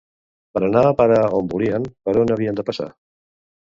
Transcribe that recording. Per anar a parar on volien, per on havien de passar?